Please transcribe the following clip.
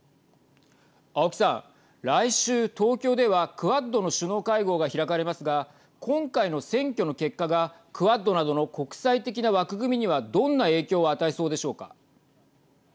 青木さん、来週、東京ではクアッドの首脳会合が開かれますが今回の選挙の結果がクアッドなどの国際的な枠組みにはどんな影響を与えそうでしょうか。